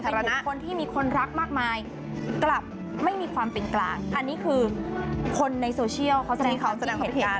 เป็นคนที่มีคนรักมากมายกลับไม่มีความเป็นกลางอันนี้คือคนในโซเชียลเขาแสดงความคิดเห็น